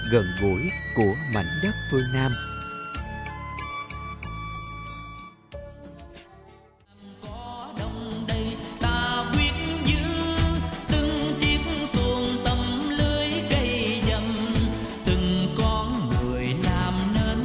gần gũi của mảnh đất phương nam